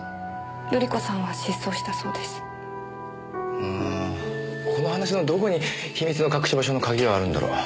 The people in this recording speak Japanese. うーんこの話のどこに秘密の隠し場所の鍵があるんだろう。